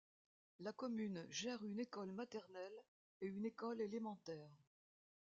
La commune gère une école maternelle et une école élémentaire.